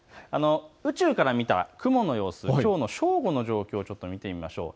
宇宙から見た雲の様子、きょうの正午の様子を見てみましょう。